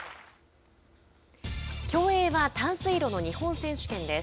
競泳は短水路の日本選手権です。